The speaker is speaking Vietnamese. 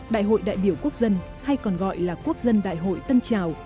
đại hội đại biểu quốc dân hay còn gọi là quốc dân đại hội tân trào